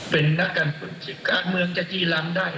เป็นนักการเมืองจะจี้ล้ำได้